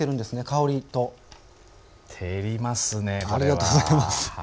ありがとうございます。